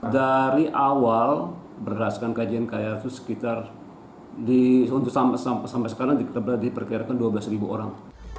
dari awal berdasarkan kajian kaya itu sekitar untuk sampai sekarang diperkirakan dua belas orang